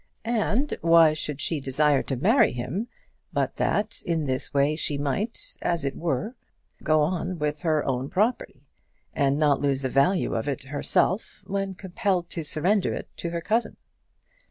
And why should she desire to marry him, but that in this way she might, as it were, go with her own property, and not lose the value of it herself when compelled to surrender it to her cousin?